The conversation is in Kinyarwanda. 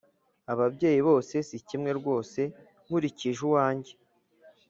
Ababyeyi bose sikimwe rwose nkurikije uwanjye